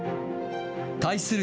対する